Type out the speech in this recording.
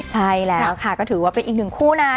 ใช่แล้วค่ะก็ถือว่าเป็นอีกหนึ่งคู่นะ